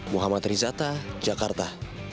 muhammad rizata jakarta